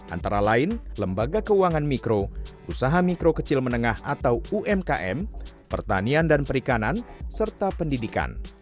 antara lain lembaga keuangan mikro usaha mikro kecil menengah atau umkm pertanian dan perikanan serta pendidikan